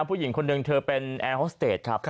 ผู้หญิงคนหนึ่งเธอเป็นแอร์ฮอสเตจครับ